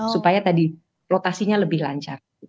supaya tadi rotasinya lebih lancar